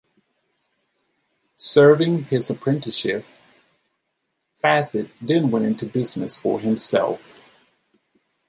Serving his apprenticeship, Fassett then went into business for himself.